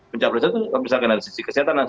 pencapres itu misalkan ada sisi kesehatan